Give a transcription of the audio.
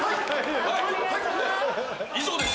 以上です。